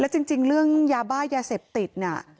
จริงเรื่องยาบ้ายาเสพติดเนี่ย